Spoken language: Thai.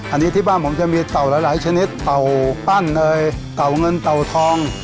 อันนี้ที่บ้านผมจะมีเต่าหลายชนิดเต่าปั้นเอ่ยเต่าเงินเต่าทอง